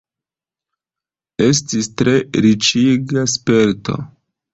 Estis tre riĉiga sperto!